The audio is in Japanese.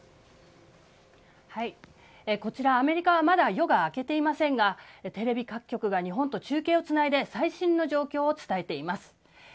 こちら、アメリカはまだ夜が明けていませんがテレビ各局が日本と中継をつないで最新の状況を伝えています。